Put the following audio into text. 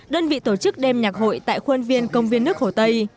đơn vị tổ chức đêm nhạc hội tại khuôn viên công viên nước hồ tây